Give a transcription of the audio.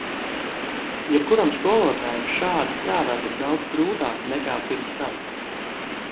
Jebkuram skolotājam šādi strādāt ir daudz grūtāk nekā pirms tam.